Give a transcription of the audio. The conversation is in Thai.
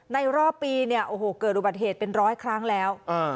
รอบปีเนี่ยโอ้โหเกิดอุบัติเหตุเป็นร้อยครั้งแล้ว